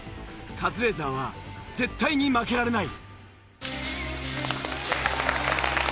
カズレーザーは絶対に負けられない。